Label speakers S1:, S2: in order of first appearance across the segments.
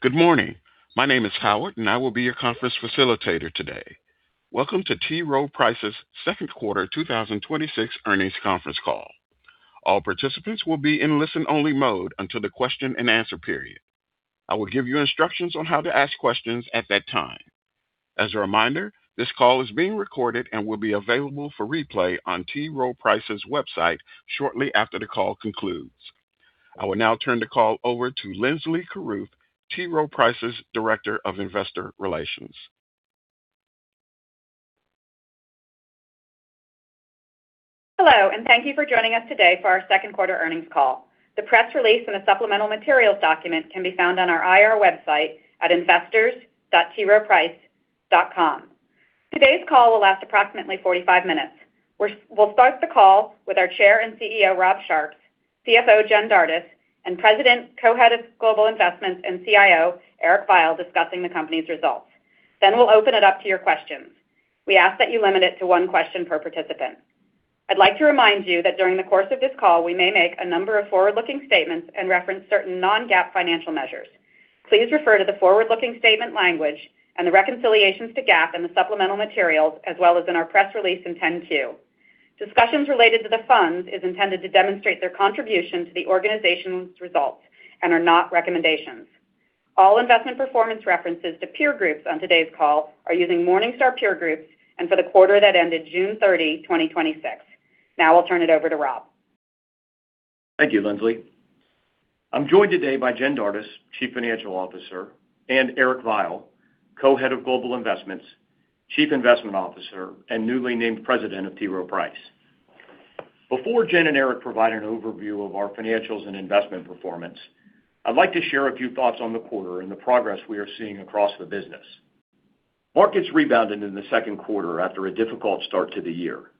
S1: Good morning. My name is Howard. I will be your conference facilitator today. Welcome to T. Rowe Price's second quarter 2026 earnings conference call. All participants will be in listen-only mode until the question-and-answer period. I will give you instructions on how to ask questions at that time. As a reminder, this call is being recorded and will be available for replay on T. Rowe Price's website shortly after the call concludes. I will now turn the call over to Linsley Carruth, T. Rowe Price's Director of Investor Relations.
S2: Hello. Thank you for joining us today for our second quarter earnings call. The press release and the supplemental materials document can be found on our IR website at investors.troweprice.com. Today's call will last approximately 45 minutes. We'll start the call with our Chair and CEO, Rob Sharps, CFO, Jen Dardis, and President, Co-Head of Global Investments and CIO, Eric Veiel, discussing the company's results. We'll open it up to your questions. We ask that you limit it to one question per participant. I'd like to remind you that during the course of this call, we may make a number of forward-looking statements and reference certain non-GAAP financial measures. Please refer to the forward-looking statement language and the reconciliations to GAAP and the supplemental materials, as well as in our press release in 10-Q. Discussions related to the funds is intended to demonstrate their contribution to the organization's results and are not recommendations. All investment performance references to peer groups on today's call are using Morningstar peer groups and for the quarter that ended June 30, 2026. I'll turn it over to Rob.
S3: Thank you, Linsley. I'm joined today by Jen Dardis, Chief Financial Officer, and Eric Veiel, Co-Head of Global Investments, Chief Investment Officer, and newly named President of T. Rowe Price. Before Jen and Eric provide an overview of our financials and investment performance, I'd like to share a few thoughts on the quarter and the progress we are seeing across the business. Markets rebounded in the second quarter after a difficult start to the year.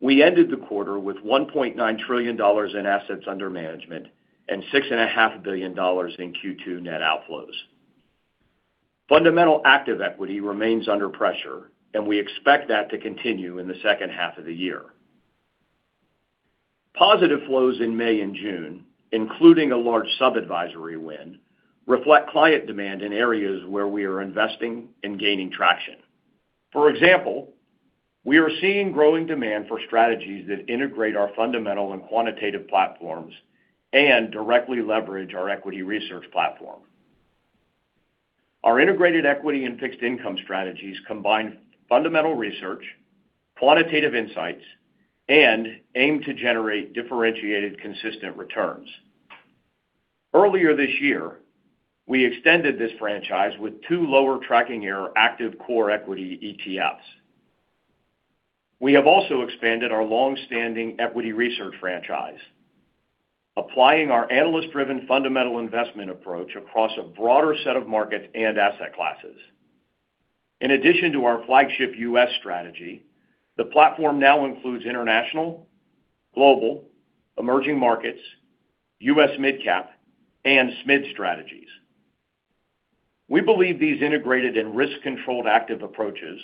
S3: We ended the quarter with $1.9 trillion in assets under management and $6.5 billion in Q2 net outflows. Fundamental active equity remains under pressure. We expect that to continue in the second half of the year. Positive flows in May and June, including a large sub-advisory win, reflect client demand in areas where we are investing and gaining traction. For example, we are seeing growing demand for strategies that integrate our fundamental and quantitative platforms and directly leverage our equity research platform. Our integrated equity and fixed income strategies combine fundamental research, quantitative insights, and aim to generate differentiated, consistent returns. Earlier this year, we extended this franchise with two lower tracking error active core equity ETFs. We have also expanded our long-standing equity research franchise, applying our analyst-driven fundamental investment approach across a broader set of markets and asset classes. In addition to our flagship U.S. strategy, the platform now includes international, global, emerging markets, U.S. mid-cap, and SMID strategies. We believe these integrated and risk-controlled active approaches,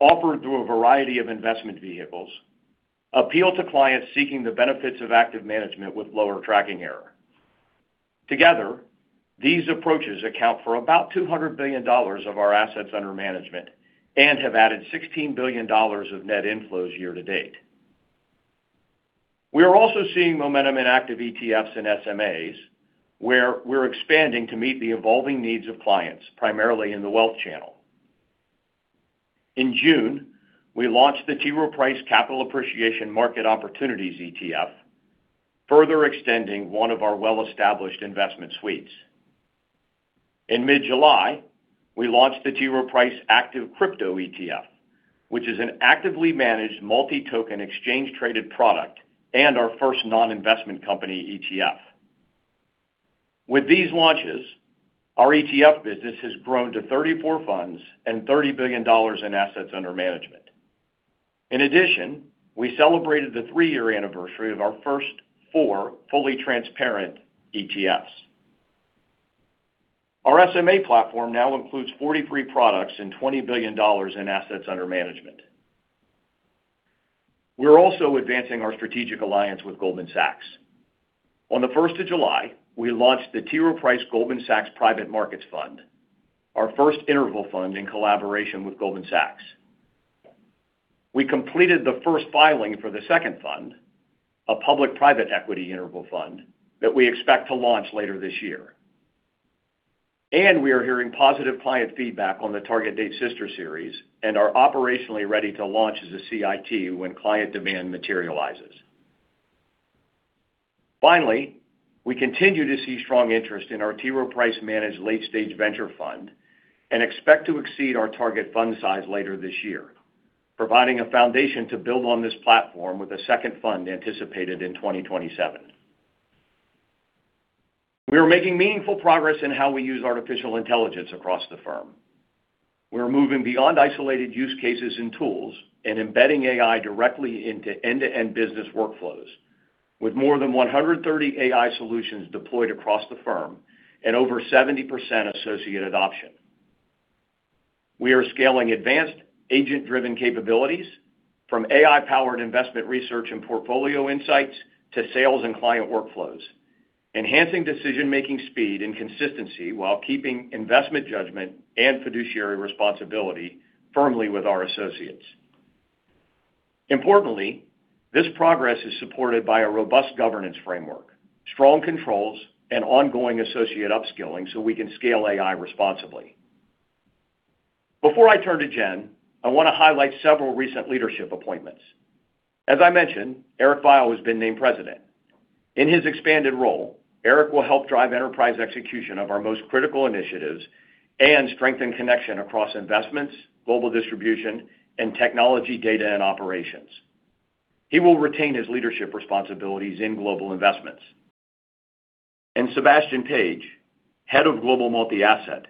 S3: offered through a variety of investment vehicles, appeal to clients seeking the benefits of active management with lower tracking error. Together, these approaches account for about $200 billion of our assets under management and have added $16 billion of net inflows year to date. We are also seeing momentum in active ETFs and SMAs, where we're expanding to meet the evolving needs of clients, primarily in the wealth channel. In June, we launched the T. Rowe Price Capital Appreciation Market Opportunities ETF, further extending one of our well-established investment suites. In mid-July, we launched the T. Rowe Price Active Crypto ETF, which is an actively managed multi-token exchange-traded product and our first non-investment company ETF. With these launches, our ETF business has grown to 34 funds and $30 billion in assets under management. In addition, we celebrated the three-year anniversary of our first four fully transparent ETFs. Our SMA platform now includes 43 products and $20 billion in assets under management. We're also advancing our strategic alliance with Goldman Sachs. On the 1st of July, we launched the T. Rowe Price Goldman Sachs Private Markets Fund, our first interval fund in collaboration with Goldman Sachs. We completed the first filing for the second fund, a public-private equity interval fund that we expect to launch later this year. We are hearing positive client feedback on the target date sister series and are operationally ready to launch as a CIT when client demand materializes. Finally, we continue to see strong interest in our T. Rowe Price Managed Late-Stage Venture Fund and expect to exceed our target fund size later this year, providing a foundation to build on this platform with a second fund anticipated in 2027. We are making meaningful progress in how we use artificial intelligence across the firm. We are moving beyond isolated use cases and tools and embedding AI directly into end-to-end business workflows with more than 130 AI solutions deployed across the firm and over 70% associate adoption. We are scaling advanced agent-driven capabilities from AI-powered investment research and portfolio insights to sales and client workflows, enhancing decision-making speed and consistency while keeping investment judgment and fiduciary responsibility firmly with our associates. Importantly, this progress is supported by a robust governance framework, strong controls, and ongoing associate upskilling so we can scale AI responsibly. Before I turn to Jen, I want to highlight several recent leadership appointments. As I mentioned, Eric Veiel has been named President. In his expanded role, Eric will help drive enterprise execution of our most critical initiatives and strengthen connection across investments, global distribution, and technology data and operations. He will retain his leadership responsibilities in global investments. Sébastien Page, Head of Global Multi-Asset,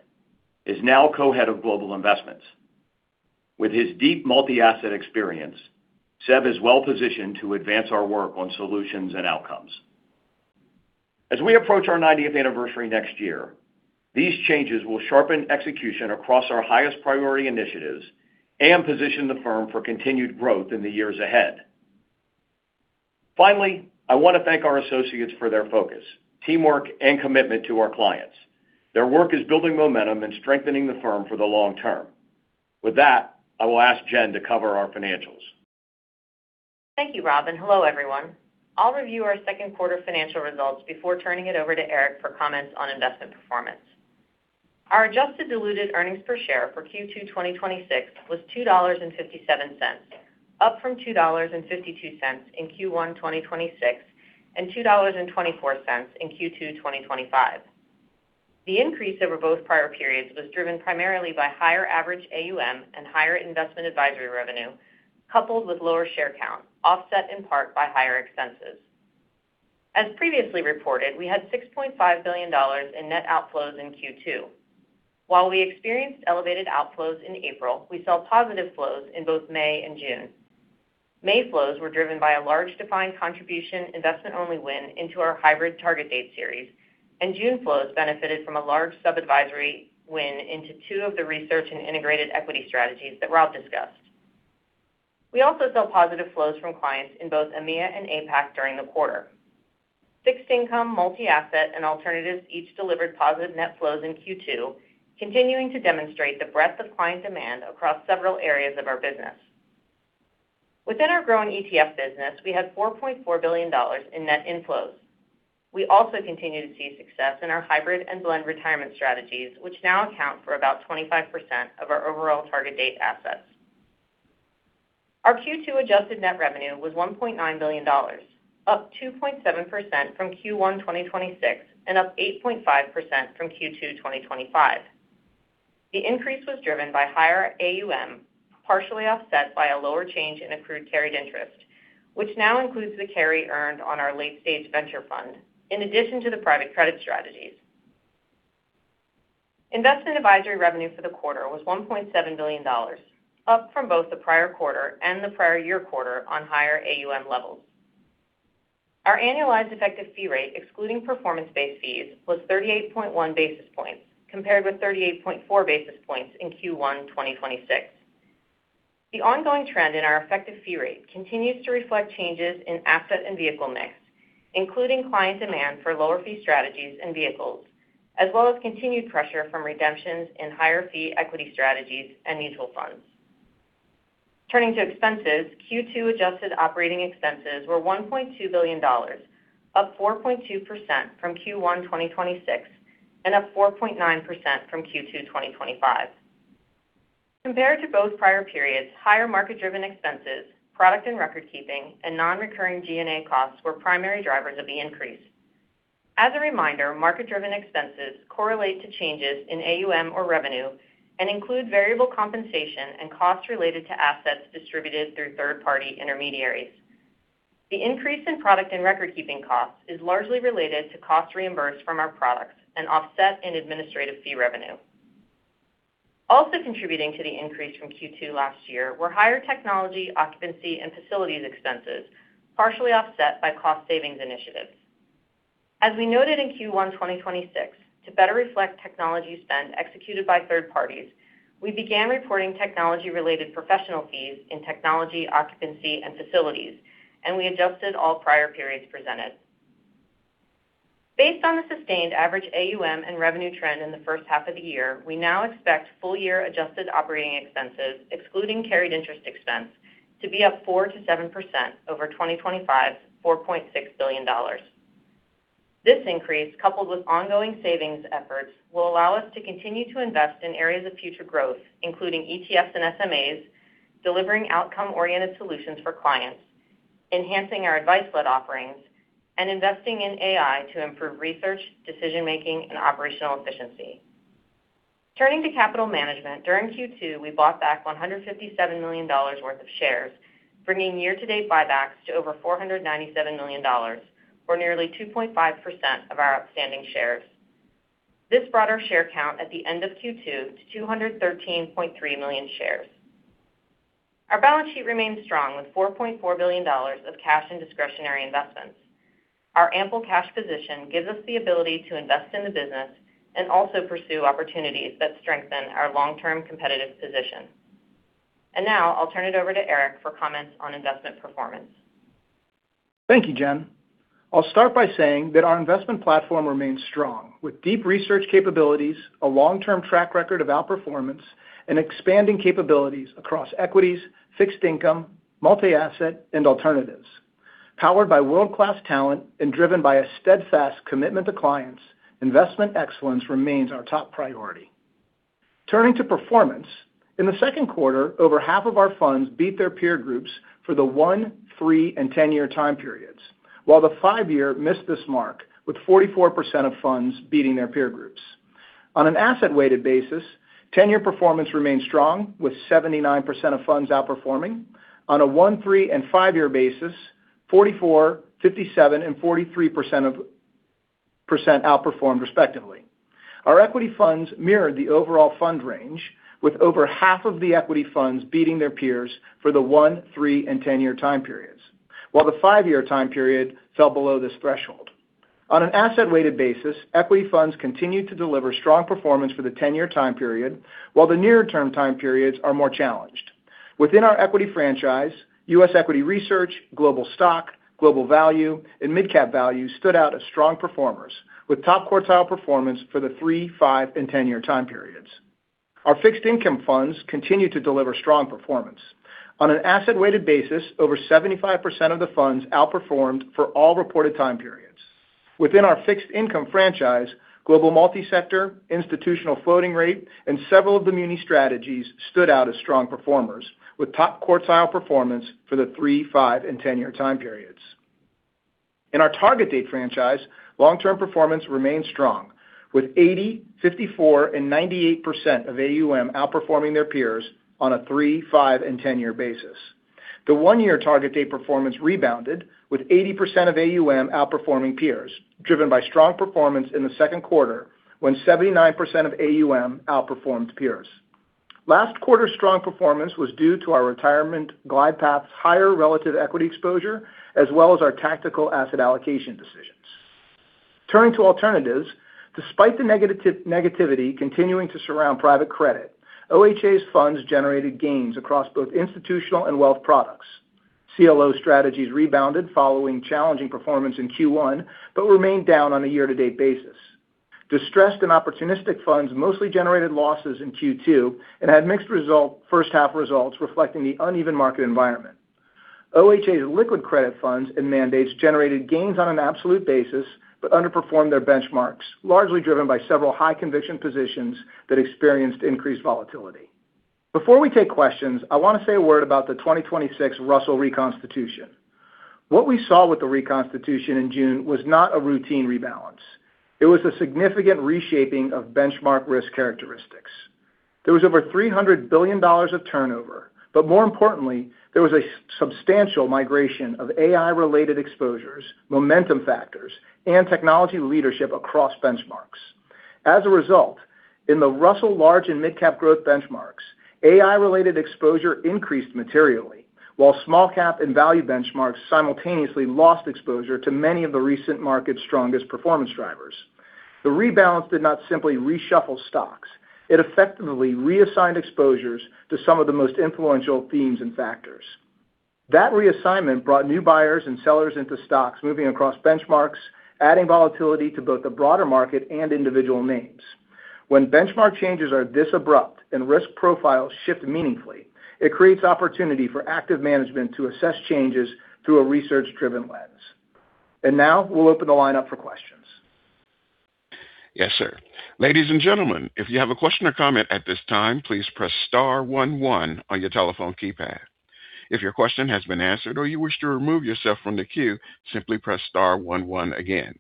S3: is now Co-Head of Global Investments. With his deep multi-asset experience, Séb is well-positioned to advance our work on solutions and outcomes. As we approach our 90th anniversary next year, these changes will sharpen execution across our highest priority initiatives and position the firm for continued growth in the years ahead. I want to thank our associates for their focus, teamwork, and commitment to our clients. Their work is building momentum and strengthening the firm for the long-term. With that, I will ask Jen to cover our financials.
S4: Thank you, Rob, and hello, everyone. I'll review our second quarter financial results before turning it over to Eric for comments on investment performance. Our adjusted diluted earnings per share for Q2 2026 was $2.57, up from $2.52 in Q1 2026 and $2.24 in Q2 2025. The increase over both prior periods was driven primarily by higher average AUM and higher investment advisory revenue, coupled with lower share count, offset in part by higher expenses. As previously reported, we had $6.5 billion in net outflows in Q2. While we experienced elevated outflows in April, we saw positive flows in both May and June. May flows were driven by a large defined contribution investment-only win into our hybrid target date series, and June flows benefited from a large sub-advisory win into two of the research and integrated equity strategies that Rob discussed. We also saw positive flows from clients in both EMEA and APAC during the quarter. Fixed income, multi-asset, and alternatives each delivered positive net flows in Q2, continuing to demonstrate the breadth of client demand across several areas of our business. Within our growing ETF business, we had $4.4 billion in net inflows. We also continue to see success in our hybrid and blend retirement strategies, which now account for about 25% of our overall target date assets. Our Q2 adjusted net revenue was $1.9 billion, up 2.7% from Q1 2026 and up 8.5% from Q2 2025. The increase was driven by higher AUM, partially offset by a lower change in accrued carried interest, which now includes the carry earned on our late stage venture fund, in addition to the private credit strategies. Investment advisory revenue for the quarter was $1.7 billion, up from both the prior quarter and the prior year quarter on higher AUM levels. Our annualized effective fee rate, excluding performance-based fees, was 38.1 basis points, compared with 38.4 basis points in Q1 2026. The ongoing trend in our effective fee rate continues to reflect changes in asset and vehicle mix, including client demand for lower fee strategies and vehicles, as well as continued pressure from redemptions in higher fee equity strategies and mutual funds. Turning to expenses, Q2 adjusted operating expenses were $1.2 billion, up 4.2% from Q1 2026 and up 4.9% from Q2 2025. Compared to both prior periods, higher market-driven expenses, product and record keeping, and non-recurring G&A costs were primary drivers of the increase. As a reminder, market-driven expenses correlate to changes in AUM or revenue and include variable compensation and costs related to assets distributed through third-party intermediaries. The increase in product and record-keeping costs is largely related to costs reimbursed from our products and offset in administrative fee revenue. Also contributing to the increase from Q2 last year were higher technology occupancy and facilities expenses, partially offset by cost savings initiatives. As we noted in Q1 2026, to better reflect technology spend executed by third parties, we began reporting technology-related professional fees in technology occupancy and facilities, and we adjusted all prior periods presented. Based on the sustained average AUM and revenue trend in the first half of the year, we now expect full-year adjusted operating expenses, excluding carried interest expense, to be up 4%-7% over 2025's $4.6 billion. This increase, coupled with ongoing savings efforts, will allow us to continue to invest in areas of future growth, including ETFs and SMAs, delivering outcome-oriented solutions for clients, enhancing our advice-led offerings, and investing in AI to improve research, decision-making, and operational efficiency. Turning to capital management, during Q2, we bought back $157 million worth of shares, bringing year-to-date buybacks to over $497 million, or nearly 2.5% of our outstanding shares. This brought our share count at the end of Q2 to 213.3 million shares. Our balance sheet remains strong with $4.4 billion of cash and discretionary investments. Our ample cash position gives us the ability to invest in the business and also pursue opportunities that strengthen our long-term competitive position. Now I'll turn it over to Eric for comments on investment performance.
S5: Thank you, Jen. I'll start by saying that our investment platform remains strong with deep research capabilities, a long-term track record of outperformance, and expanding capabilities across equities, fixed income, multi-asset, and alternatives. Powered by world-class talent and driven by a steadfast commitment to clients, investment excellence remains our top priority. Turning to performance, in the second quarter, over half of our funds beat their peer groups for the one, three, and 10-year time periods, while the five-year missed this mark with 44% of funds beating their peer groups. On an asset-weighted basis, 10-year performance remained strong with 79% of funds outperforming. On a one, three, and five-year basis, 44%, 57%, and 43% outperformed respectively. Our equity funds mirrored the overall fund range with over half of the equity funds beating their peers for the one, three, and 10-year time periods, while the five-year time period fell below this threshold. On an asset-weighted basis, equity funds continued to deliver strong performance for the 10-year time period, while the nearer-term time periods are more challenged. Within our equity franchise, U.S. equity research, global stock, global value, and midcap value stood out as strong performers with top-quartile performance for the three, five, and 10-year time periods. Our fixed income funds continued to deliver strong performance. On an asset-weighted basis, over 75% of the funds outperformed for all reported time periods. Within our fixed income franchise, global multi-sector, institutional floating rate, and several of the muni strategies stood out as strong performers with top-quartile performance for the three, five, and 10-year time periods. In our target date franchise, long-term performance remained strong with 80%, 54%, and 98% of AUM outperforming their peers on a three, five, and 10-year basis. The one-year TDF performance rebounded with 80% of AUM outperforming peers, driven by strong performance in the second quarter when 79% of AUM outperformed peers. Last quarter's strong performance was due to our retirement glide path's higher relative equity exposure, as well as our tactical asset allocation decisions. Turning to alternatives, despite the negativity continuing to surround private credit, OHA's funds generated gains across both institutional and wealth products. CLO strategies rebounded following challenging performance in Q1 but remained down on a year-to-date basis. Distressed and opportunistic funds mostly generated losses in Q2 and had mixed first-half results reflecting the uneven market environment. OHA's liquid credit funds and mandates generated gains on an absolute basis but underperformed their benchmarks, largely driven by several high-conviction positions that experienced increased volatility. Before we take questions, I want to say a word about the 2026 Russell reconstitution. What we saw with the reconstitution in June was not a routine rebalance. It was a significant reshaping of benchmark risk characteristics. There was over $300 billion of turnover, but more importantly, there was a substantial migration of AI-related exposures, momentum factors, and technology leadership across benchmarks. As a result, in the Russell large and mid-cap growth benchmarks, AI-related exposure increased materially, while small cap and value benchmarks simultaneously lost exposure to many of the recent market's strongest performance drivers. The rebalance did not simply reshuffle stocks. It effectively reassigned exposures to some of the most influential themes and factors. That reassignment brought new buyers and sellers into stocks, moving across benchmarks, adding volatility to both the broader market and individual names. When benchmark changes are this abrupt and risk profiles shift meaningfully, it creates opportunity for active management to assess changes through a research-driven lens. Now we'll open the line up for questions.
S1: Yes, sir. Ladies and gentlemen, if you have a question or comment at this time, please press star one one on your telephone keypad. If your question has been answered or you wish to remove yourself from the queue, simply press star one one again.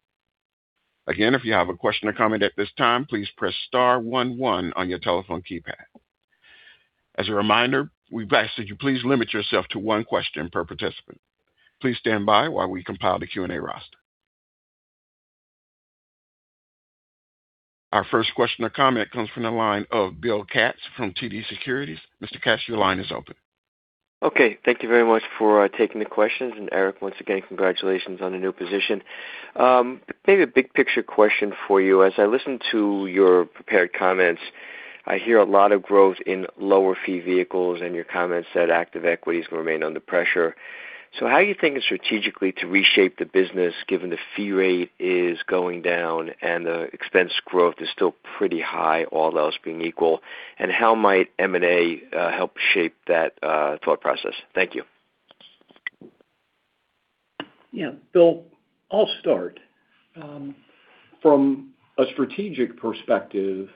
S1: Again, if you have a question or comment at this time, please press star one one on your telephone keypad. As a reminder, we've asked that you please limit yourself to one question per participant. Please stand by while we compile the Q&A roster. Our first question or comment comes from the line of Bill Katz from TD Securities. Mr. Katz, your line is open.
S6: Okay. Thank you very much for taking the questions. Eric, once again, congratulations on the new position. Maybe a big-picture question for you. As I listened to your prepared comments, I hear a lot of growth in lower-fee vehicles, and your comments said active equity is going to remain under pressure. How are you thinking strategically to reshape the business given the fee rate is going down and the expense growth is still pretty high, all else being equal? How might M&A help shape that thought process? Thank you.
S3: Yeah. Bill, I'll start. From a strategic perspective,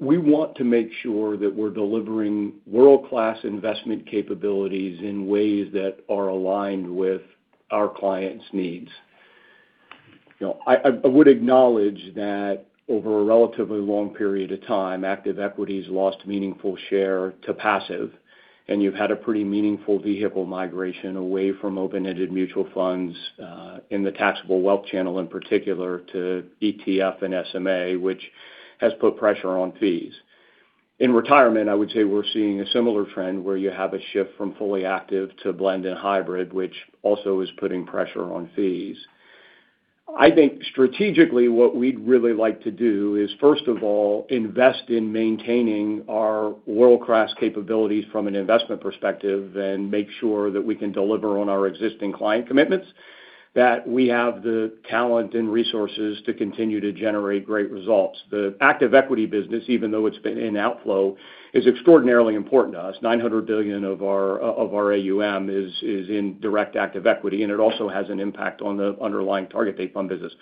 S3: we want to make sure that we're delivering world-class investment capabilities in ways that are aligned with our clients' needs. I would acknowledge that over a relatively long period of time, active equities lost meaningful share to passive, and you've had a pretty meaningful vehicle migration away from open-ended mutual funds, in the taxable wealth channel in particular, to ETF and SMA, which Has put pressure on fees. In retirement, I would say we're seeing a similar trend where you have a shift from fully active to blend and hybrid, which also is putting pressure on fees. I think strategically what we'd really like to do is, first of all, invest in maintaining our world-class capabilities from an investment perspective and make sure that we can deliver on our existing client commitments, that we have the talent and resources to continue to generate great results. The active equity business, even though it's been in outflow, is extraordinarily important to us. $900 billion of our AUM is in direct active equity, and it also has an impact on the underlying target date fund business.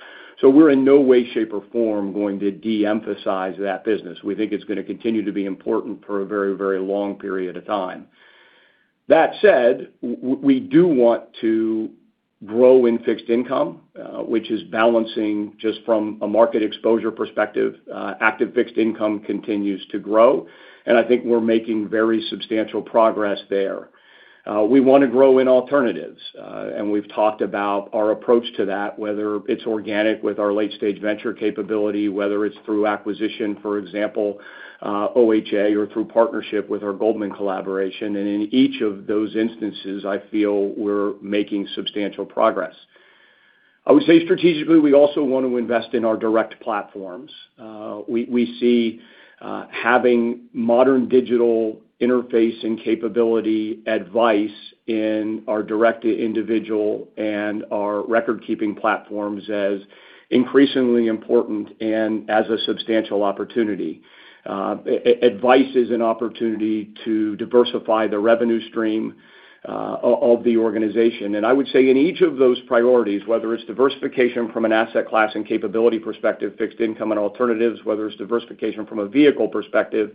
S3: We're in no way, shape, or form going to de-emphasize that business. We think it's going to continue to be important for a very, very long period of time. That said, we do want to grow in fixed income, which is balancing just from a market exposure perspective. Active fixed income continues to grow, and I think we're making very substantial progress there. We want to grow in alternatives, and we've talked about our approach to that, whether it's organic with our late-stage venture capability, whether it's through acquisition, for example OHA or through partnership with our Goldman collaboration. In each of those instances, I feel we're making substantial progress. I would say strategically, we also want to invest in our direct platforms. We see having modern digital interface and capability advice in our direct individual and our record-keeping platforms as increasingly important and as a substantial opportunity. Advice is an opportunity to diversify the revenue stream of the organization. I would say in each of those priorities, whether it's diversification from an asset class and capability perspective, fixed income and alternatives, whether it's diversification from a vehicle perspective,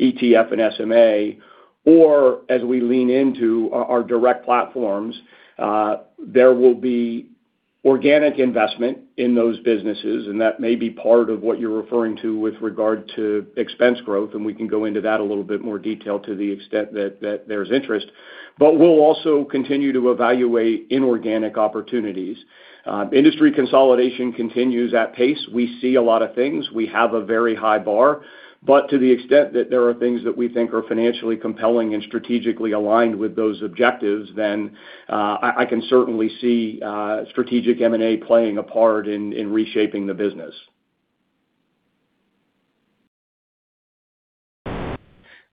S3: ETF and SMA, or as we lean into our direct platforms, there will be organic investment in those businesses, and that may be part of what you're referring to with regard to expense growth, and we can go into that a little bit more detail to the extent that there's interest. We'll also continue to evaluate inorganic opportunities. Industry consolidation continues at pace. We see a lot of things. We have a very high bar. To the extent that there are things that we think are financially compelling and strategically aligned with those objectives, then I can certainly see strategic M&A playing a part in reshaping the business.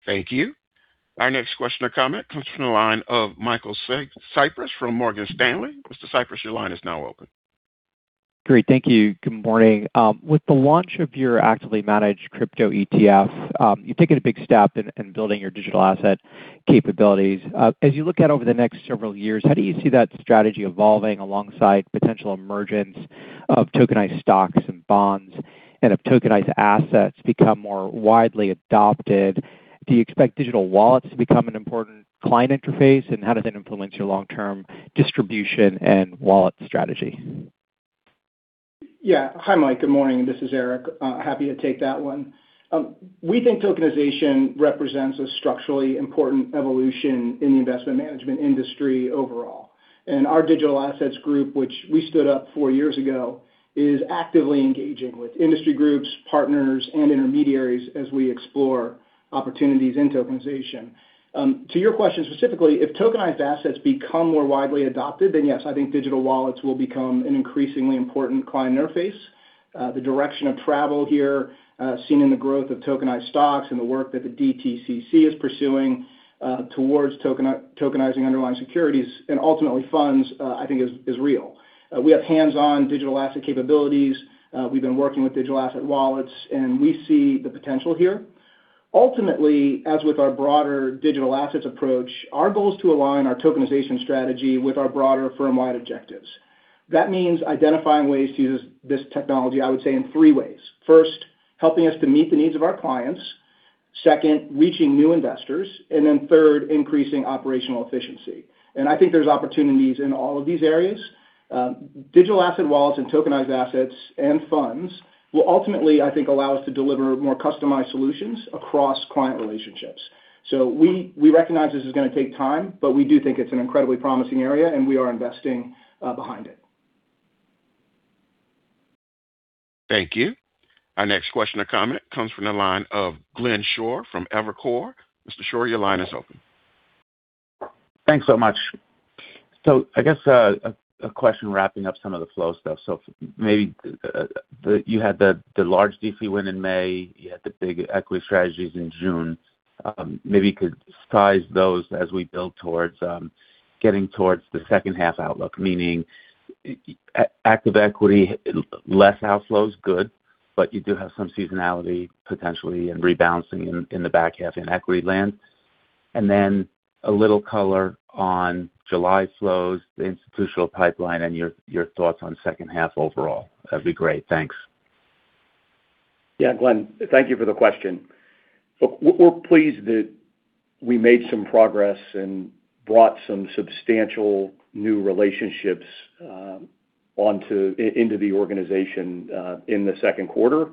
S1: Thank you. Our next question or comment comes from the line of Michael Cyprys from Morgan Stanley. Mr. Cyprys, your line is now open.
S7: Great. Thank you. Good morning. With the launch of your actively managed crypto ETF, you've taken a big step in building your digital asset capabilities. As you look out over the next several years, how do you see that strategy evolving alongside potential emergence of tokenized stocks and bonds? If tokenized assets become more widely adopted, do you expect digital wallets to become an important client interface? How does that influence your long-term distribution and wallet strategy?
S5: Yeah. Hi, Mike. Good morning. This is Eric. Happy to take that one. We think tokenization represents a structurally important evolution in the investment management industry overall. Our digital assets group, which we stood up four years ago, is actively engaging with industry groups, partners, and intermediaries as we explore opportunities in tokenization. To your question specifically, if tokenized assets become more widely adopted, then yes, I think digital wallets will become an increasingly important client interface. The direction of travel here, seen in the growth of tokenized stocks and the work that the DTCC is pursuing towards tokenizing underlying securities and ultimately funds, I think, is real. We have hands-on digital asset capabilities. We've been working with digital asset wallets, and we see the potential here. Ultimately, as with our broader digital assets approach, our goal is to align our tokenization strategy with our broader firm-wide objectives. That means identifying ways to use this technology, I would say, in three ways. First, helping us to meet the needs of our clients. Second, reaching new investors. Third, increasing operational efficiency. I think there's opportunities in all of these areas. Digital asset wallets and tokenized assets and funds will ultimately, I think, allow us to deliver more customized solutions across client relationships. We recognize this is going to take time, but we do think it's an incredibly promising area, and we are investing behind it.
S1: Thank you. Our next question or comment comes from the line of Glenn Schorr from Evercore. Mr. Schorr, your line is open.
S8: Thanks so much. I guess a question wrapping up some of the flow stuff. Maybe you had the large DC win in May, you had the big equity strategies in June. Maybe you could size those as we build towards getting towards the second half outlook, meaning active equity, less outflows, good, but you do have some seasonality potentially and rebalancing in the back half in equity land. A little color on July flows, the institutional pipeline, and your thoughts on second half overall. That'd be great. Thanks.
S3: Glenn. Thank you for the question. We're pleased that we made some progress and brought some substantial new relationships into the organization in the second quarter.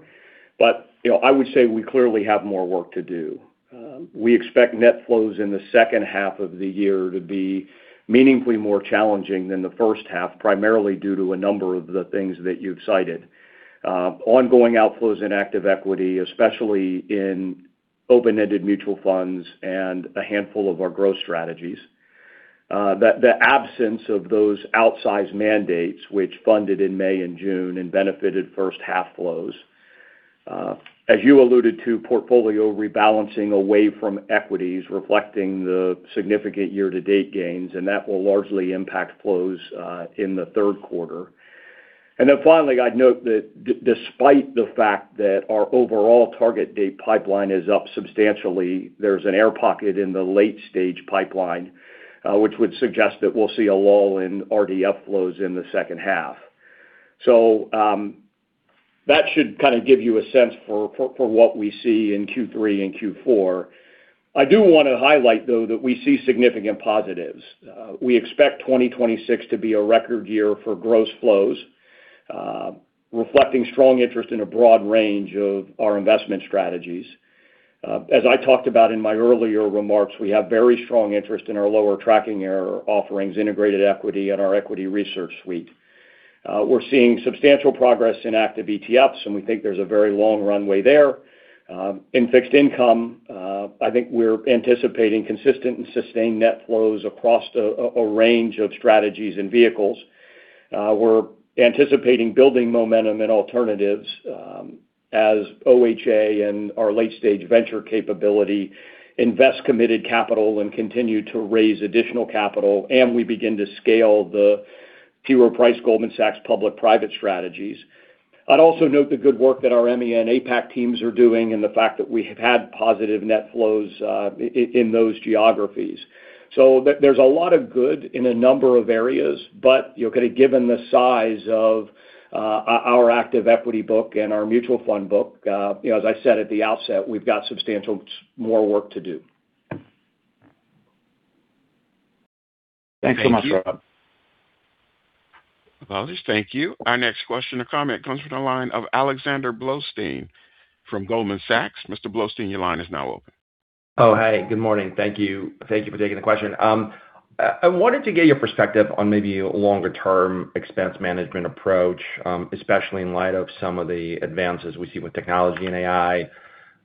S3: I would say we clearly have more work to do. We expect net flows in the second half of the year to be meaningfully more challenging than the first half, primarily due to a number of the things that you've cited. Ongoing outflows in active equity, especially in open-ended mutual funds and a handful of our growth strategies. The absence of those outsized mandates, which funded in May and June and benefited first half flows. As you alluded to, portfolio rebalancing away from equities, reflecting the significant year-to-date gains, and that will largely impact flows in the third quarter. Finally, I'd note that despite the fact that our overall target date pipeline is up substantially, there's an air pocket in the late-stage pipeline, which would suggest that we'll see a lull in TDF flows in the second half. That should give you a sense for what we see in Q3 and Q4. I do want to highlight, though, that we see significant positives. We expect 2026 to be a record year for gross flows, reflecting strong interest in a broad range of our investment strategies. As I talked about in my earlier remarks, we have very strong interest in our lower tracking error offerings, integrated equity, and our equity research suite. We're seeing substantial progress in active ETFs, and we think there's a very long runway there. In fixed income, we're anticipating consistent and sustained net flows across a range of strategies and vehicles. We're anticipating building momentum in alternatives as OHA and our late-stage venture capability invest committed capital and continue to raise additional capital, and we begin to scale the T. Rowe Price Goldman Sachs Public Private strategies. I'd also note the good work that our EMEA, APAC teams are doing and the fact that we have had positive net flows in those geographies. There's a lot of good in a number of areas. Given the size of our active equity book and our mutual fund book, as I said at the outset, we've got substantial more work to do.
S8: Thanks so much, Rob.
S1: Apologies. Thank you. Our next question or comment comes from the line of Alexander Blostein from Goldman Sachs. Mr. Blostein, your line is now open.
S9: Oh, hi. Good morning. Thank you for taking the question. I wanted to get your perspective on maybe a longer-term expense management approach, especially in light of some of the advances we see with technology and AI.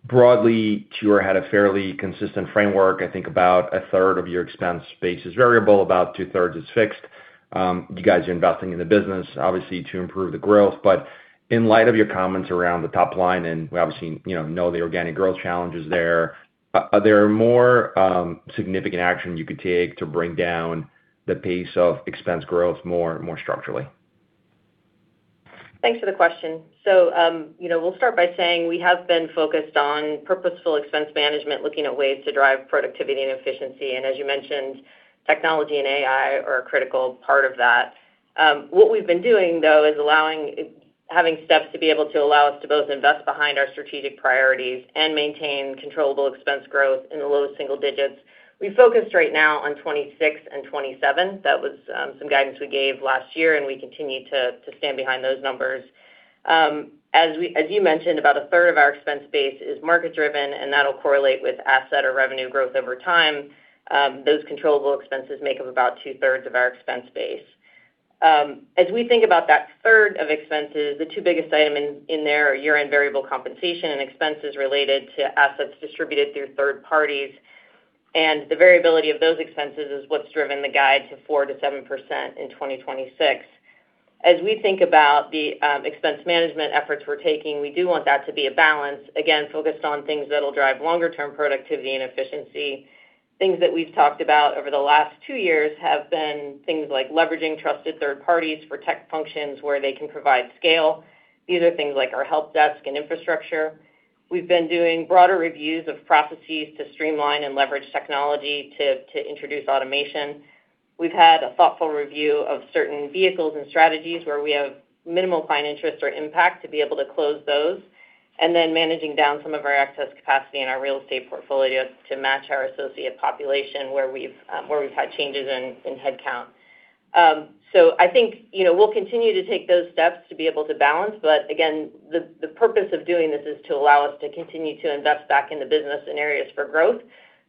S9: Broadly, T. Rowe had a fairly consistent framework. I think about 1/3 of your expense base is variable, about 2/3 is fixed. You guys are investing in the business, obviously, to improve the growth. In light of your comments around the top line, and we obviously know the organic growth challenges there, are there more significant action you could take to bring down the pace of expense growth more structurally?
S4: Thanks for the question. We'll start by saying we have been focused on purposeful expense management, looking at ways to drive productivity and efficiency. As you mentioned, technology and AI are a critical part of that. What we've been doing, though, is having steps to be able to allow us to both invest behind our strategic priorities and maintain controllable expense growth in the low single-digits. We focused right now on 2026 and 2027. That was some guidance we gave last year, and we continue to stand behind those numbers. As you mentioned, about 1/3 of our expense base is market driven, and that'll correlate with asset or revenue growth over time. Those controllable expenses make up about 2/3 of our expense base. As we think about that 1/3 of expenses, the two biggest items in there are year-end variable compensation and expenses related to assets distributed through third parties. The variability of those expenses is what's driven the guide to 4%-7% in 2026. As we think about the expense management efforts we're taking, we do want that to be a balance, again, focused on things that'll drive longer-term productivity and efficiency. Things that we've talked about over the last two years have been things like leveraging trusted third parties for tech functions where they can provide scale. These are things like our help desk and infrastructure. We've been doing broader reviews of processes to streamline and leverage technology to introduce automation. We've had a thoughtful review of certain vehicles and strategies where we have minimal client interest or impact to be able to close those, and then managing down some of our excess capacity in our real estate portfolio to match our associate population where we've had changes in headcount. I think we'll continue to take those steps to be able to balance. Again, the purpose of doing this is to allow us to continue to invest back in the business in areas for growth.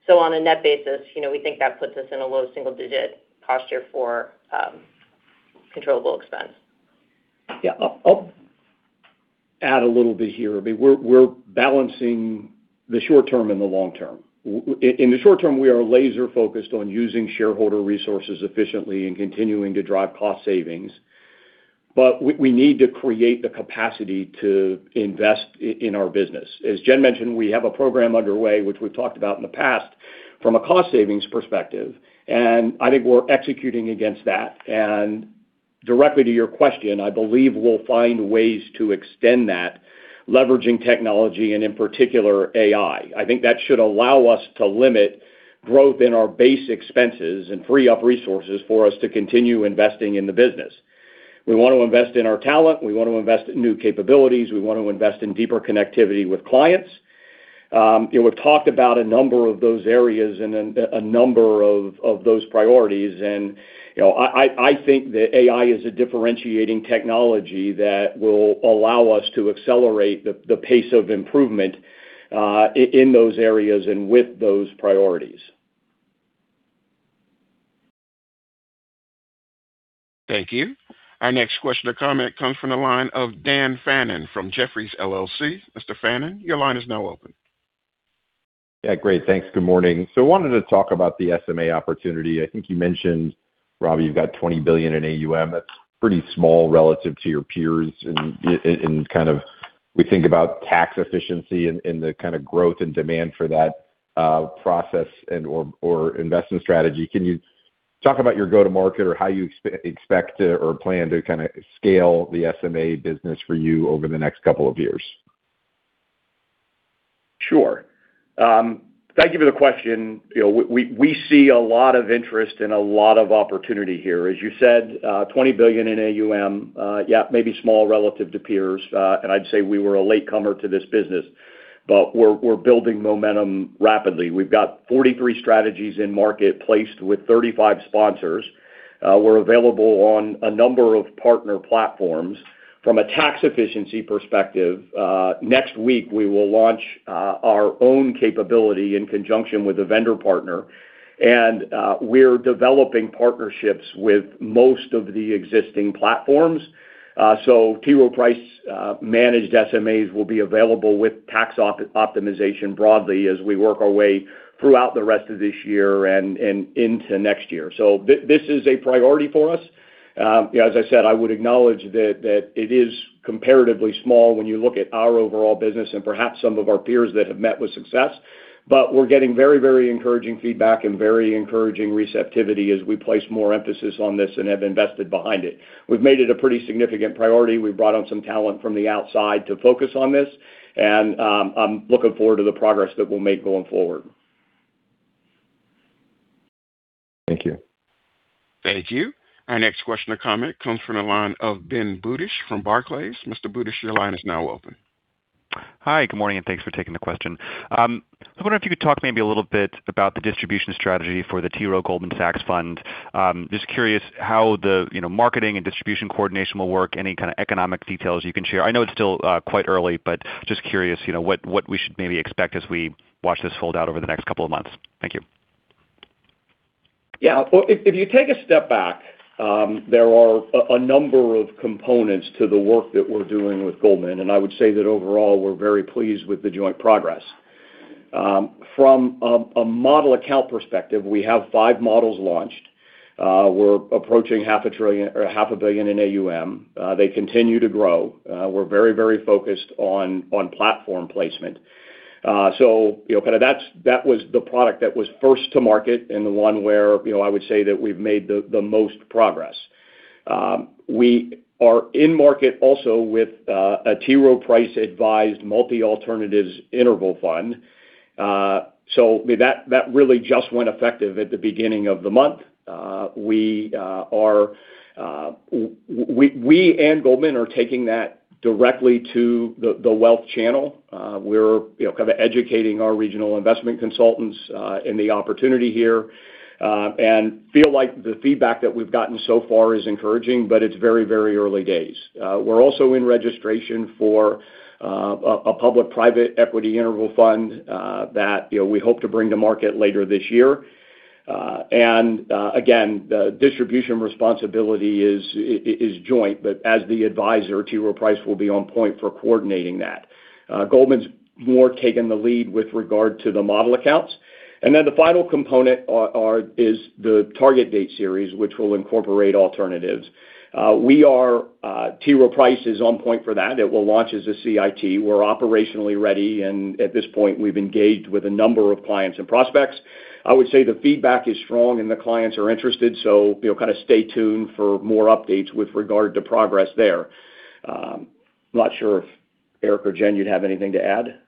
S4: On a net basis, we think that puts us in a low single-digit posture for controllable expense.
S3: I'll add a little bit here. We're balancing the short-term and the long-term. In the short-term, we are laser focused on using shareholder resources efficiently and continuing to drive cost savings. We need to create the capacity to invest in our business. As Jen mentioned, we have a program underway, which we've talked about in the past from a cost savings perspective, and I think we're executing against that. Directly to your question, I believe we'll find ways to extend that, leveraging technology, and in particular, AI. I think that should allow us to limit growth in our base expenses and free up resources for us to continue investing in the business. We want to invest in our talent. We want to invest in new capabilities. We want to invest in deeper connectivity with clients. We've talked about a number of those areas and a number of those priorities. I think that AI is a differentiating technology that will allow us to accelerate the pace of improvement in those areas and with those priorities.
S1: Thank you. Our next question or comment comes from the line of Dan Fannon from Jefferies LLC. Mr. Fannon, your line is now open.
S10: Great. Thanks. Good morning. Wanted to talk about the SMA opportunity. I think you mentioned, Robbie, you've got $20 billion in AUM. That's pretty small relative to your peers, and kind of we think about tax efficiency and the kind of growth and demand for that process and/or investment strategy. Can you talk about your go-to-market or how you expect or plan to kind of scale the SMA business for you over the next couple of years?
S3: Sure. Thank you for the question. We see a lot of interest and a lot of opportunity here. As you said, $20 billion in AUM. Maybe small relative to peers. I'd say we were a latecomer to this business, we're building momentum rapidly. We've got 43 strategies in market placed with 35 sponsors. We're available on a number of partner platforms. From a tax efficiency perspective, next week we will launch our own capability in conjunction with a vendor partner. We're developing partnerships with most of the existing platforms. T. Rowe Price managed SMAs will be available with tax optimization broadly as we work our way throughout the rest of this year and into next year. This is a priority for us. As I said, I would acknowledge that it is comparatively small when you look at our overall business and perhaps some of our peers that have met with success. We're getting very encouraging feedback and very encouraging receptivity as we place more emphasis on this and have invested behind it. We've made it a pretty significant priority. We've brought on some talent from the outside to focus on this, I'm looking forward to the progress that we'll make going forward.
S10: Thank you.
S1: Thank you. Our next question or comment comes from the line of Ben Budish from Barclays. Mr. Budish, your line is now open.
S11: Hi, good morning, and thanks for taking the question. I wonder if you could talk maybe a little bit about the distribution strategy for the T. Rowe Goldman Sachs Fund. Just curious how the marketing and distribution coordination will work. Any kind of economic details you can share. I know it's still quite early, but just curious what we should maybe expect as we watch this fold out over the next couple of months. Thank you.
S3: Yeah. If you take a step back, there are a number of components to the work that we're doing with Goldman, and I would say that overall, we're very pleased with the joint progress. From a model account perspective, we have five models launched. We're approaching $500 million in AUM. They continue to grow. We're very focused on platform placement. That was the product that was first to market and the one where I would say that we've made the most progress. We are in market also with a T. Rowe Price advised multi-alternatives interval fund. That really just went effective at the beginning of the month. We and Goldman are taking that directly to the wealth channel. We're kind of educating our regional investment consultants in the opportunity here, and feel like the feedback that we've gotten so far is encouraging, but it's very early days. We're also in registration for a public-private equity interval fund that we hope to bring to market later this year. Again, the distribution responsibility is joint, but as the advisor, T. Rowe Price will be on point for coordinating that. Goldman's more taken the lead with regard to the model accounts. The final component is the target date series, which will incorporate alternatives. T. Rowe Price is on point for that. It will launch as a CIT. We're operationally ready, and at this point, we've engaged with a number of clients and prospects. I would say the feedback is strong and the clients are interested, kind of stay tuned for more updates with regard to progress there. I'm not sure if Eric or Jen, you'd have anything to add.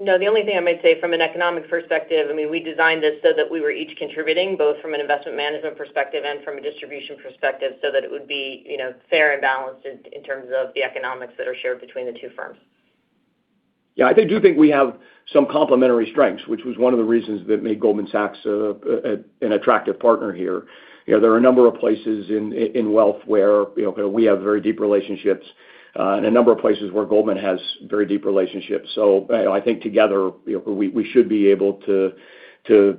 S4: No. The only thing I might say from an economic perspective, I mean, we designed this so that we were each contributing, both from an investment management perspective and from a distribution perspective, so that it would be fair and balanced in terms of the economics that are shared between the two firms.
S3: Yeah, I do think we have some complementary strengths, which was one of the reasons that made Goldman Sachs an attractive partner here. There are a number of places in wealth where we have very deep relationships, and a number of places where Goldman has very deep relationships. I think together, we should be able to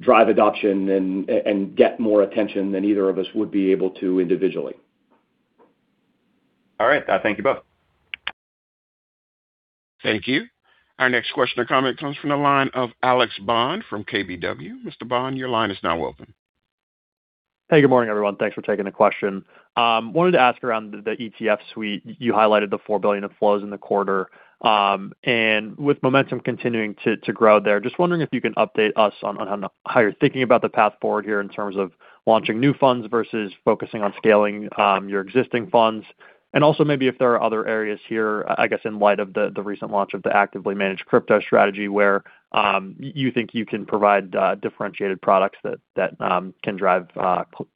S3: drive adoption and get more attention than either of us would be able to individually.
S11: All right. Thank you both.
S1: Thank you. Our next question or comment comes from the line of Alex Bond from KBW. Mr. Bond, your line is now open.
S12: Hey, good morning, everyone. Thanks for taking the question. Wanted to ask around the ETF suite. You highlighted the $4 billion of flows in the quarter. With momentum continuing to grow there, just wondering if you can update us on how you're thinking about the path forward here in terms of launching new funds versus focusing on scaling your existing funds. Also maybe if there are other areas here, I guess, in light of the recent launch of the actively managed crypto strategy, where you think you can provide differentiated products that can drive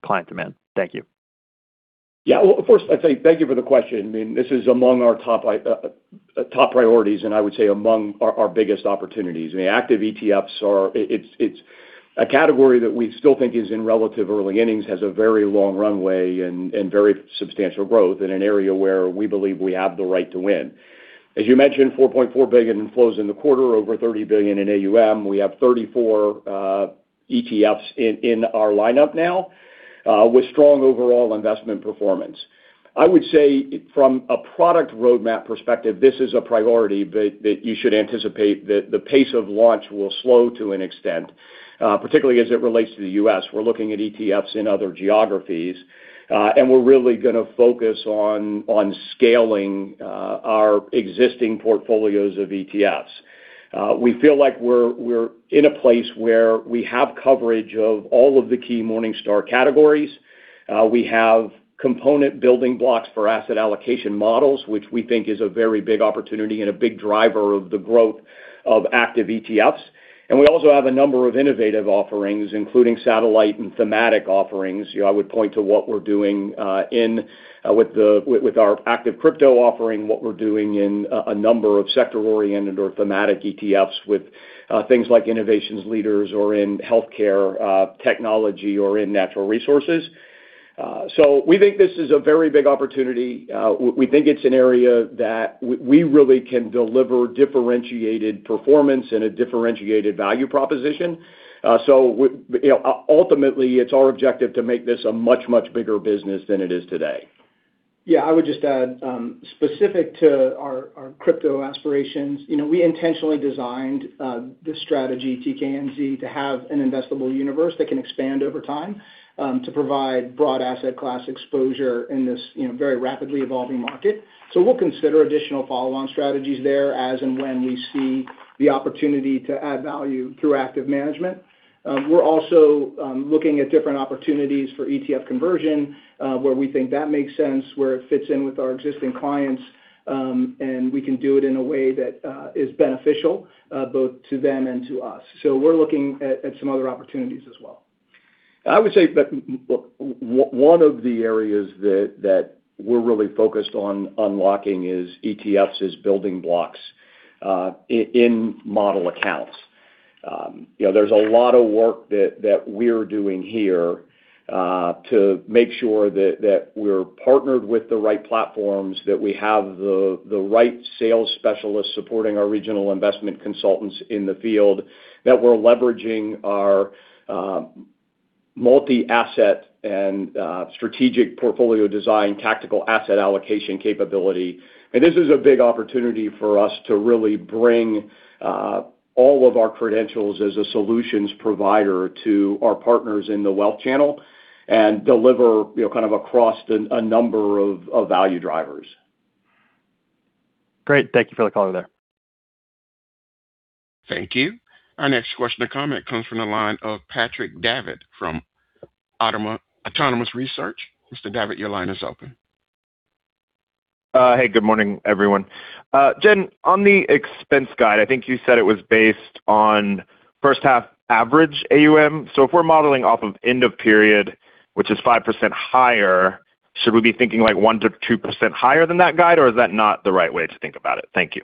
S12: client demand. Thank you.
S3: Well, first, thank you for the question. I mean, this is among our top priorities, and I would say among our biggest opportunities. I mean, active ETFs, it's a category that we still think is in relative early innings, has a very long runway and very substantial growth in an area where we believe we have the right to win. As you mentioned, $4.4 billion in flows in the quarter, over $30 billion in AUM. We have 34 ETFs in our lineup now with strong overall investment performance. I would say from a product roadmap perspective, this is a priority, but that you should anticipate that the pace of launch will slow to an extent, particularly as it relates to the U.S. We're looking at ETFs in other geographies, we're really going to focus on scaling our existing portfolios of ETFs. We feel like we're in a place where we have coverage of all of the key Morningstar categories. We have component building blocks for asset allocation models, which we think is a very big opportunity and a big driver of the growth of active ETFs. We also have a number of innovative offerings, including satellite and thematic offerings. I would point to what we're doing with our active crypto offering, what we're doing in a number of sector-oriented or thematic ETFs with things like innovations leaders or in healthcare technology or in natural resources. We think this is a very big opportunity. We think it's an area that we really can deliver differentiated performance and a differentiated value proposition. Ultimately, it's our objective to make this a much, much bigger business than it is today.
S5: Yeah, I would just add, specific to our crypto aspirations, we intentionally designed this strategy, TKNZ, to have an investable universe that can expand over time to provide broad asset class exposure in this very rapidly evolving market. We'll consider additional follow-on strategies there as and when we see the opportunity to add value through active management. We're also looking at different opportunities for ETF conversion, where we think that makes sense, where it fits in with our existing clients, and we can do it in a way that is beneficial both to them and to us. We're looking at some other opportunities as well.
S3: I would say that one of the areas that we're really focused on unlocking is ETFs as building blocks in model accounts. There's a lot of work that we're doing here to make sure that we're partnered with the right platforms, that we have the right sales specialists supporting our regional investment consultants in the field, that we're leveraging our multi-asset and strategic portfolio design, tactical asset allocation capability. This is a big opportunity for us to really bring all of our credentials as a solutions provider to our partners in the wealth channel and deliver across a number of value drivers.
S12: Great. Thank you for the color there.
S1: Thank you. Our next question or comment comes from the line of Patrick Davitt from Autonomous Research. Mr. Davitt, your line is open.
S13: Hey, good morning, everyone. Jen, on the expense guide, I think you said it was based on first half average AUM. If we're modeling off of end of period, which is 5% higher, should we be thinking like 1%-2% higher than that guide? Is that not the right way to think about it? Thank you.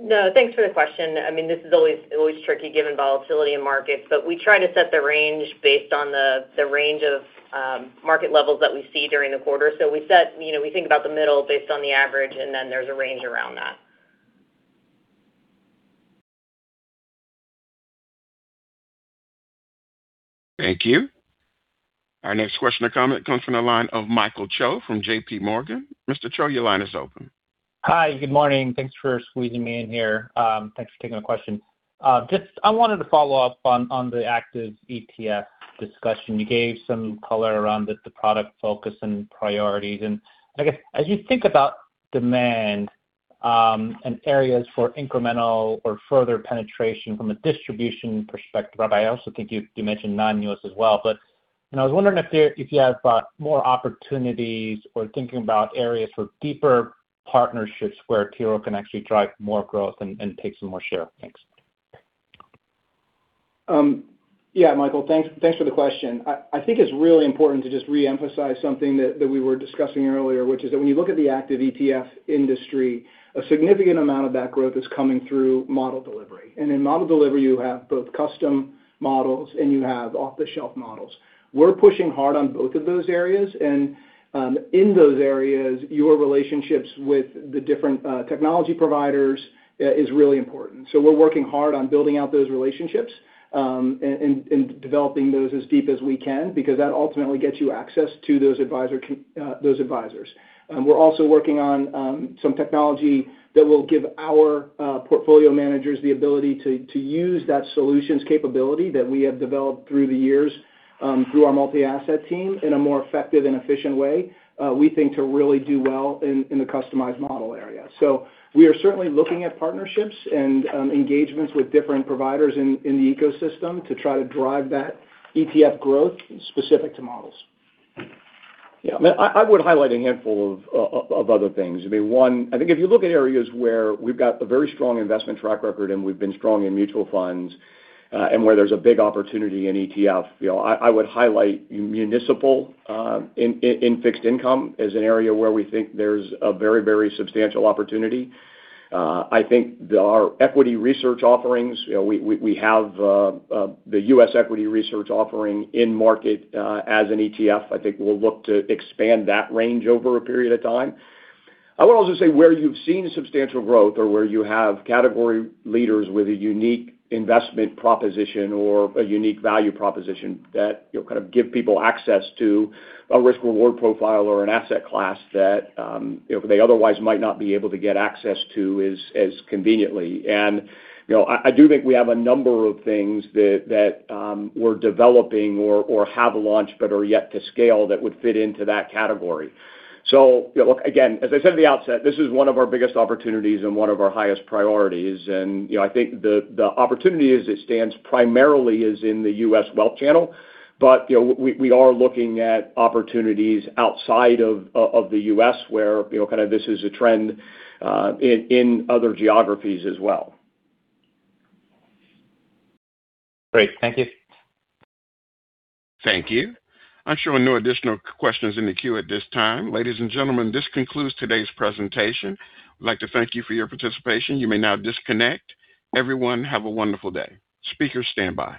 S4: No, thanks for the question. This is always tricky given volatility in markets, but we try to set the range based on the range of market levels that we see during the quarter. We think about the middle based on the average, and then there's a range around that.
S1: Thank you. Our next question or comment comes from the line of Michael Cho from JPMorgan. Mr. Cho, your line is open.
S14: Hi, good morning. Thanks for squeezing me in here. Thanks for taking my question. I wanted to follow-up on the active ETF discussion. You gave some color around the product focus and priorities. I guess as you think about demand and areas for incremental or further penetration from a distribution perspective, I also think you mentioned non-U.S. as well, but I was wondering if you have more opportunities or thinking about areas for deeper partnerships where T. Rowe can actually drive more growth and take some more share. Thanks.
S5: Yeah, Michael, thanks for the question. I think it's really important to just reemphasize something that we were discussing earlier, which is that when you look at the active ETF industry, a significant amount of that growth is coming through model delivery. In model delivery, you have both custom models and you have off-the-shelf models. We're pushing hard on both of those areas, and in those areas, your relationships with the different technology providers is really important. We're working hard on building out those relationships and developing those as deep as we can because that ultimately gets you access to those advisors. We're also working on some technology that will give our portfolio managers the ability to use that solutions capability that we have developed through the years through our multi-asset team in a more effective and efficient way, we think, to really do well in the customized model area. We are certainly looking at partnerships and engagements with different providers in the ecosystem to try to drive that ETF growth specific to models.
S3: Yeah. I would highlight a handful of other things. I mean, one, I think if you look at areas where we've got a very strong investment track record and we've been strong in mutual funds and where there's a big opportunity in ETF, I would highlight municipal in fixed income as an area where we think there's a very, very substantial opportunity. I think our equity research offerings, we have the U.S. equity research offering in market as an ETF. I think we'll look to expand that range over a period of time. I would also say where you've seen substantial growth or where you have category leaders with a unique investment proposition or a unique value proposition that give people access to a risk-reward profile or an asset class that they otherwise might not be able to get access to as conveniently. I do think we have a number of things that we're developing or have launched but are yet to scale that would fit into that category. Again, as I said at the outset, this is one of our biggest opportunities and one of our highest priorities. I think the opportunity as it stands primarily is in the U.S. wealth channel. We are looking at opportunities outside of the U.S. where this is a trend in other geographies as well.
S14: Great. Thank you.
S1: Thank you. I'm showing no additional questions in the queue at this time. Ladies and gentlemen, this concludes today's presentation. I'd like to thank you for your participation. You may now disconnect. Everyone, have a wonderful day. Speakers stand by.